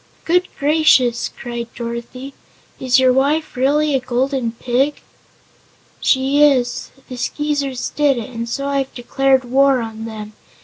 "Good gracious!" cried Dorothy; "is your wife really a Golden Pig?" "She is. The Skeezers did it and so I have declared war on them.